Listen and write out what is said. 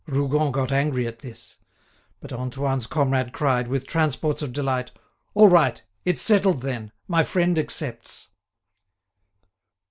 Rougon got angry at this. But Antoine's comrade cried, with transports of delight: "All right, it's settled, then; my friend accepts."